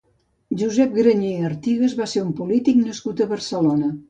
Josep Grañé Artigas va ser un polític nascut a Barcelona.